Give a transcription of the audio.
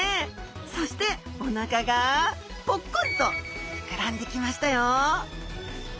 そしておなかがぽっこりと膨らんできましたよ！